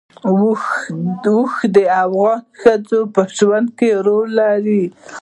اوښ د افغان ښځو په ژوند کې رول لري.